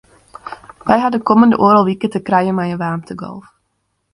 Wy hawwe de kommende oardel wike te krijen mei in waarmtegolf.